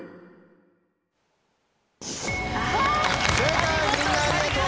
正解みんなありがとう！